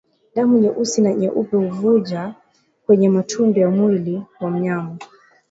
Damu nyeusi na nyepesi huvuja kwenye matundu ya mwili wa mnyama